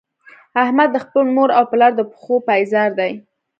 احمد د خپل مور او پلار د پښو پایزار دی.